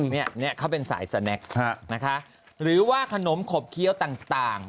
เนี้ยเนี้ยเขาเป็นสายแสน็กฮะนะคะหรือว่าขนมขบเคี้ยวต่างต่าง